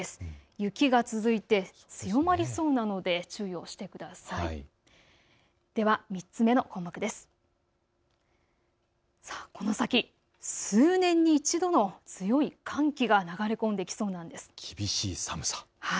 雪が続いて強まりそうなので注意をしてください。